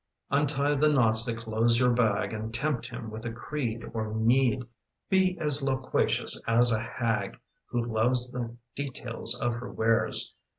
Untie the knots that close your bag And tempt him with a creed or need. Be as loquacious as a hag Who loves the details of her wares.